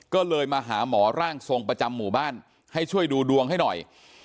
ก็เลยมาหาหมอร่างทรงประจำหมู่บ้านให้ช่วยดูดวงให้หน่อย